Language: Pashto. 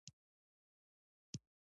تاج محل د نړۍ له عجایبو څخه دی.